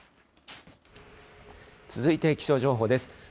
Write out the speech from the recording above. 続いて気象情報です。